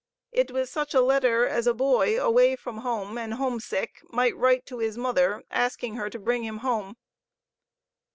It was such a letter as a boy, away from home, and homesick, might write to his mother, asking her to bring him home.